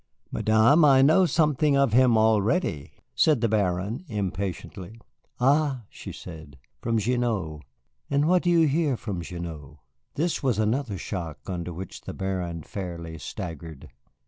"Madame, I know something of him already," said the Baron, impatiently. "Ah," said she, "from Gignoux. And what do you hear from Gignoux?" This was another shock, under which the Baron fairly staggered.